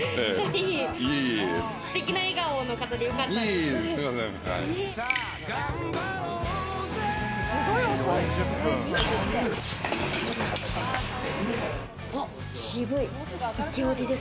すてきな笑顔の方でよかったです。